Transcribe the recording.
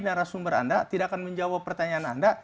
narasumber anda tidak akan menjawab pertanyaan anda